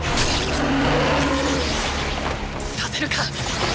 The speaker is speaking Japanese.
させるか！！